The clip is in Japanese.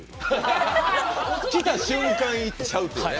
来た瞬間いっちゃうっていうね。